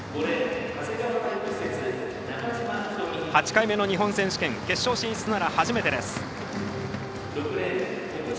８回目の日本選手権決勝進出なら初めてです。